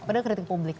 kepada kritik publik